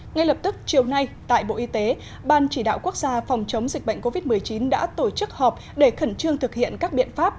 ngay lập tức chiều nay tại bộ y tế ban chỉ đạo quốc gia phòng chống dịch bệnh covid một mươi chín đã tổ chức họp để khẩn trương thực hiện các biện pháp